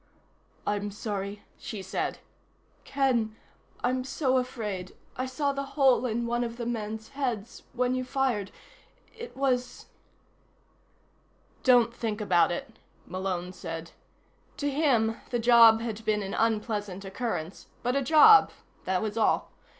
"I'm sorry," she said. "Ken I'm so afraid. I saw the hole in one of the men's heads, when you fired it was " "Don't think about it," Malone said. To him, the job had been an unpleasant occurrence, but a job, that was all.